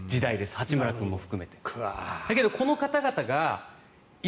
八村君も含めて。